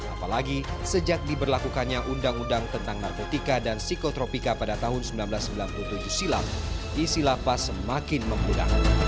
apalagi sejak diberlakukannya undang undang tentang narkotika dan psikotropika pada tahun seribu sembilan ratus sembilan puluh tujuh silam isi lapas semakin memudah